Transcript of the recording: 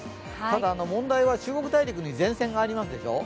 ただ、問題は中国大陸に前線がありますでしょう。